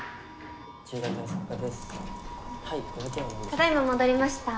ただいま戻りました。